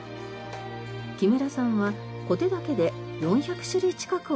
木村さんはコテだけで４００種類近くを使い分けます。